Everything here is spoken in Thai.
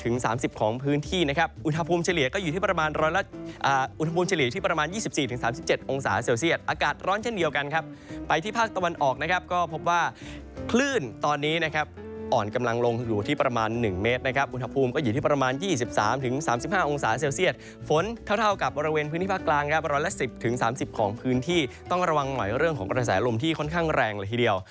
๓๗องศาเซลเซียดอากาศร้อนเช่นเดียวกันครับไปที่ภาคตะวันออกนะครับก็พบว่าคลื่นตอนนี้นะครับอ่อนกำลังลงอยู่ที่ประมาณ๑เมตรนะครับอุณหภูมิก็อยู่ที่ประมาณ๒๓ถึง๓๕องศาเซลเซียดฝนเท่ากับบริเวณพื้นที่ภาคกลางกับร้อยละ๑๐ถึง๓๐ของพื้นที่ต้องระวังหน่อยเรื่องของกระแสลมที่ค่อนข้างแร